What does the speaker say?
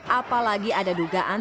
apalagi ada dugaan